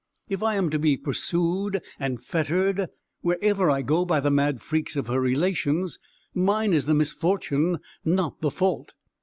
If I am to be pursued and fettered wherever I go by the mad freaks of her relations, mine is the misfortune, not the fault."